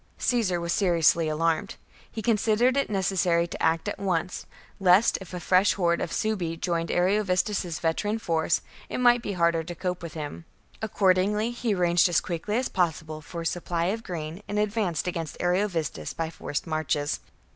Caesar was seriously alarmed. He considered it necessary to act at once, lest, if a fresh horde of Suebi joined Ariovistus's veteran force, it might be harder to cope with him. Accordingly he arranged as quickly as possible for a supply of grain, and advanced against Ariovistus by forced marches.